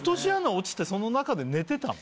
落ちてその中で寝てたの？